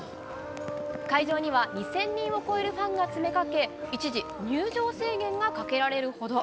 会場には、２０００人を超えるファンが詰めかけ、一時入場制限がかけられるほど。